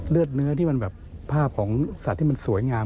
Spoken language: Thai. เนื้อที่มันแบบภาพของสัตว์ที่มันสวยงาม